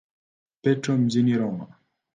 Petro mjini Roma.